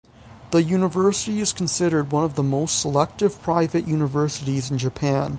The university is considered one of the most selective private universities in Japan.